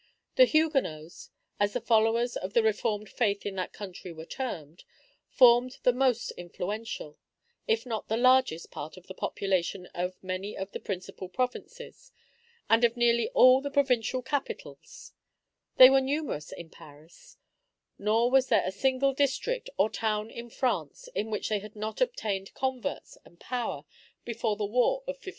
The Huguenots (as the followers of the Reformed Faith in that country were termed) formed the most influential, if not the largest part of the population of many of the principal provinces, and of nearly all the provincial capitals; they were numerous in Paris; nor was there a single district or town in France in which they had not obtained converts and power, before the war of 1562.